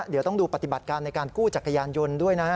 เดี๋ยวต้องดูปฏิบัติการในการกู้จักรยานยนต์ด้วยนะฮะ